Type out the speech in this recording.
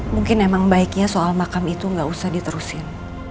mungkin emang baiknya soal makam itu gak usah diterusin